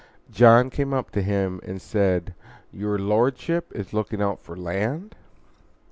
John came up to him and said, "Your Lordship is looking out for land?"